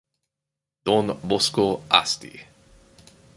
Don Bosco Asti.